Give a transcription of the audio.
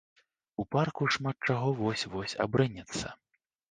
У парку шмат чаго вось-вось абрынецца.